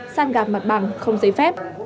săn gạp mặt bằng không giấy phép